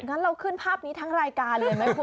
งั้นเราขึ้นภาพนี้ทั้งรายการเลยไหมคุณ